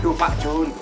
aduh pak jun